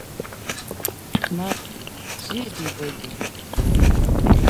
Мап, бзиа дибоит иҳәеит.